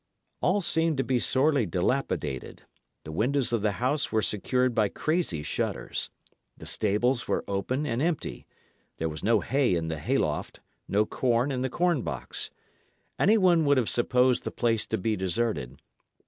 All seemed to be sorely dilapidated: the windows of the house were secured by crazy shutters; the stables were open and empty; there was no hay in the hay loft, no corn in the corn box. Any one would have supposed the place to be deserted.